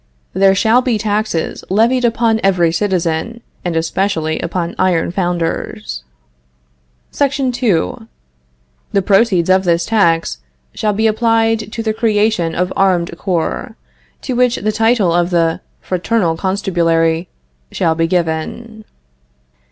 There shall be taxes levied upon every citizen, and especially upon iron founders. SEC. 2. The proceeds of this tax shall be applied to the creation of armed corps, to which the title of the fraternal constabulary shall be given.